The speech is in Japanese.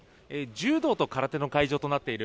柔道と空手の会場となっている